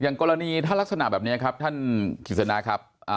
อย่างกรณีถ้ารักษณะแบบนี้ครับท่านขีศณะครับ